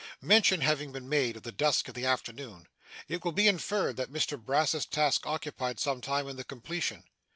Mention having been made of the dusk of the afternoon, it will be inferred that Mr Brass's task occupied some time in the completion.